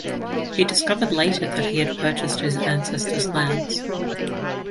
He discovered later that he had purchased his ancestors' lands.